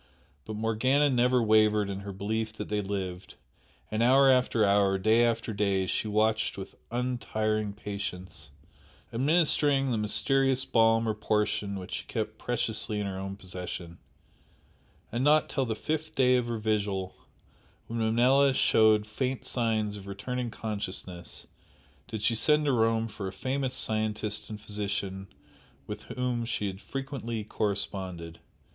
But Morgana never wavered in her belief that they lived, and hour after hour, day after day she watched with untiring patience, administering the mysterious balm or portion which she kept preciously in her own possession, and not till the fifth day of her vigil, when Manella showed faint signs of returning consciousness, did she send to Rome for a famous scientist and physician with whom she had frequently corresponded.